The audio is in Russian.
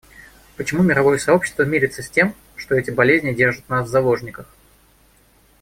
Почему мировое сообщество мирится с тем, что эти болезни держат нас в заложниках?